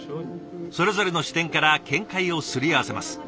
それぞれの視点から見解をすり合わせます。